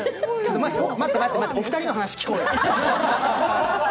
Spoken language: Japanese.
待って待って、お二人の話を聞こうよ。